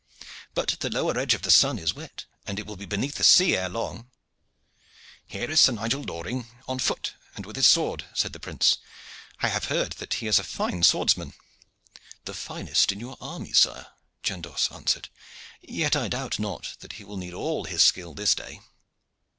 But the lower edge of the sun is wet, and it will be beneath the sea ere long." "Here is Sir Nigel Loring, on foot and with his sword," said the prince. "I have heard that he is a fine swordsman." "The finest in your army, sire," Chandos answered. "Yet I doubt not that he will need all his skill this day."